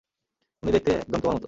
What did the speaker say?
উনি দেখতে একদম তোমার মতো।